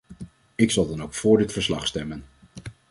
Ik zal dan ook voor dit verslag stemmen.